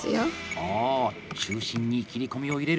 ああ中心に切り込みを入れる！